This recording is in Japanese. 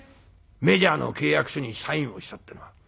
メジャーの契約書にサインをしたってのは。